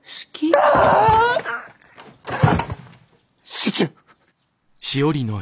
集中！